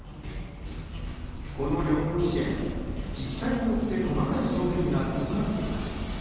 この旅行支援、自治体によって細かい条件が異なっています。